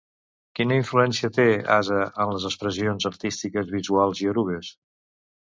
Quina influència té "Ase" en les expressions artístiques visuals iorubes?